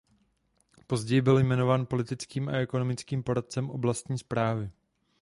Později byl jmenován politickým a ekonomickým poradcem oblastní správy.